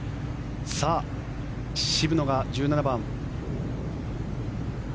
さあ、渋野が１７番。